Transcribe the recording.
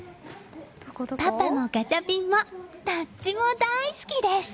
パパもガチャピンもどっちも大好きです！